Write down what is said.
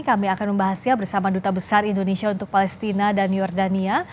kami akan membahasnya bersama duta besar indonesia untuk palestina dan yordania